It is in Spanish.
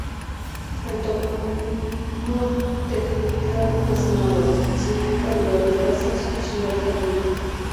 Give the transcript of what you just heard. El topónimo Tejutla es náhuat, y significa: "lugar de brasas", o "Ciudad caliente".